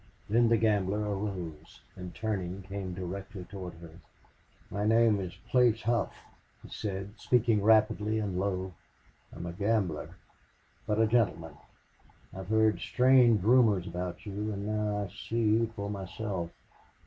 Then the gambler arose and, turning, came directly toward her. "My name is Place Hough," he said, speaking rapidly and low. "I am a gambler but gentleman. I've heard strange rumors about you, and now I see for myself.